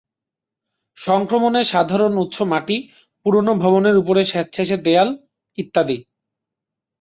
সংক্রমণের সাধারণ উৎস মাটি, পুরানো ভবনের উপরের স্যাঁতসেঁতে দেয়াল, ইত্যাদি।